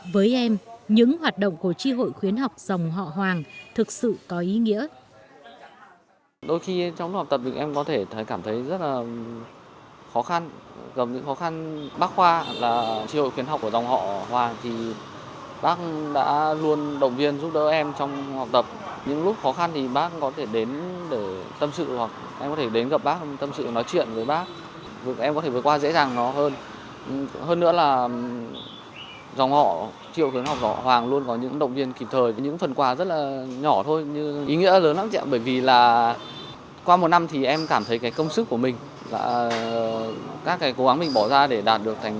với em những hoạt động của tri hội khuyến học dòng họ hoàng thực sự có ý nghĩa